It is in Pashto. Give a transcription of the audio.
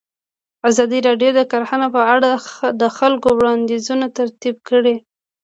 ازادي راډیو د کرهنه په اړه د خلکو وړاندیزونه ترتیب کړي.